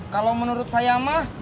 kalau menurut saya mah